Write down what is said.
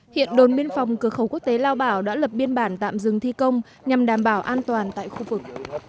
hiện đồn biên phòng cửa khẩu quốc tế lao bảo đã lập biên bản tạm dừng thi công nhằm đảm bảo an toàn tại khu vực